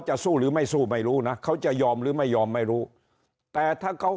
สู้หรือไม่สู้ไม่รู้นะเขาจะยอมหรือไม่ยอมไม่รู้แต่ถ้าเขา